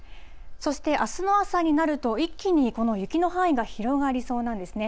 そしてあすの朝になると、一気にこの雪の範囲が広がりそうなんですね。